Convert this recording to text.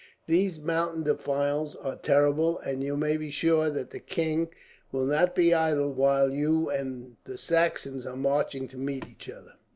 These mountain defiles are terrible, and you may be sure that the king will not be idle while you and the Saxons are marching to meet each other.